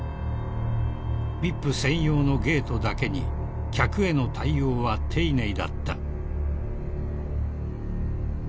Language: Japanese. ［ＶＩＰ専用のゲートだけに客への対応は丁寧だった］